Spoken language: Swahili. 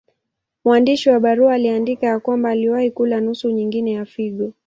Mwandishi wa barua aliandika ya kwamba aliwahi kula nusu nyingine ya figo.